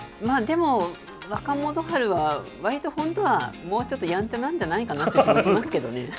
でも、若元春は割とほんとは、もうちょっとやんちゃなんじゃないかなという気がしますけどね。